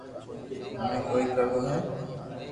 منو ڪوئي ڪروہ ھئ